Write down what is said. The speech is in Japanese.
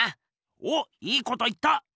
おっいいこと言った！